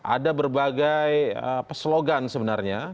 ada berbagai slogan sebenarnya